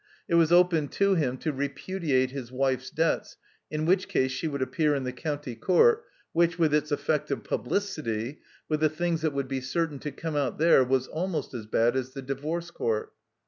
It was open to him to repudiate his wife's debts, in which case she would appear in the County Court, which, with its effect of publicity, with the things that would be certain to come out there, was almost as bad as the Divorce Court.